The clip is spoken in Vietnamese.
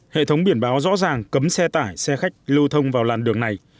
hệ thống biển báo rõ ràng cấm xe tải xe khách lưu thông vào làn đường này